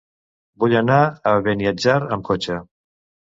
Vull anar a Beniatjar amb cotxe.